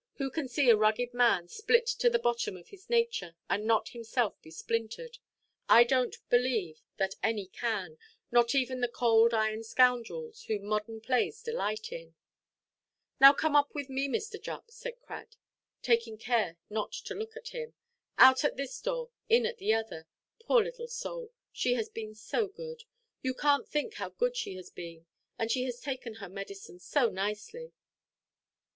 Who can see a rugged man split to the bottom of his nature, and not himself be splintered? I donʼt believe that any can: not even the cold iron scoundrels whom modern plays delight in. "Now come up with me, Mr. Jupp," said Crad, taking care not to look at him, "out at this door, in at the other. Poor little soul! she has been so good. You canʼt think how good she has been. And she has taken her medicine so nicely."